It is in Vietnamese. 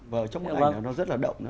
và trong bức ảnh này nó rất là động